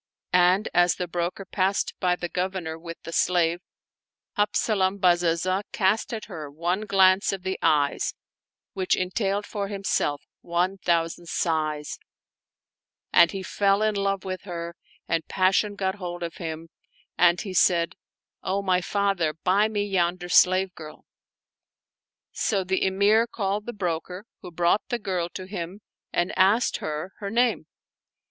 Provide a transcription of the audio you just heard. And as the broker passed by the Governor with the slave, Habzalam Bazazah cast at her one glance of the eyes which entailed for himself one thousand sighs; and he fell in love with her and pas sion got hold of him and he said, " O my father, buy me yonder slave girl." So the Emir called the broker, who brought the girl to him and asked her her name.